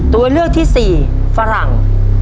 ตัวเลือกที่สี่ฝรั่ง